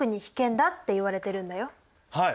はい。